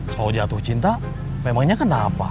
kalau jatuh cinta memangnya kenapa